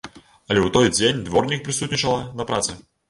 Але ў той дзень дворнік прысутнічала на працы.